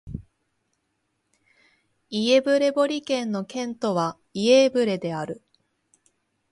イェヴレボリ県の県都はイェーヴレである